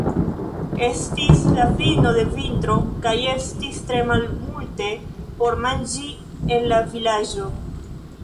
Estis la fino de vintro kaj estis tre malmulte por manĝi en la vilaĝo.